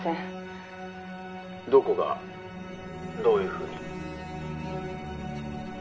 「どこがどういうふうに？」